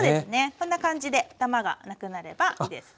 こんな感じでダマがなくなればいいですね。